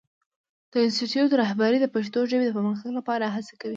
د انسټیټوت رهبري د پښتو ژبې د پرمختګ لپاره هڅې کوي.